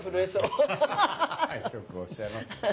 よくおっしゃいます。